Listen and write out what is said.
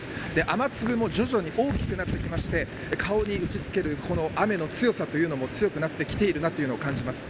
雨粒も徐々に大きくなってきて顔に打ちつける雨の強さというのも強くなってきているなというのを感じます。